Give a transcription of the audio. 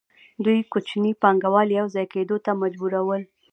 دوی کوچني پانګوال یوځای کېدو ته مجبورول